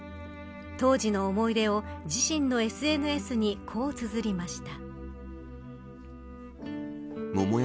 当時の思い出を自身のＳＮＳにこう綴りました。